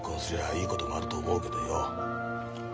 いいこともあると思うけどよ。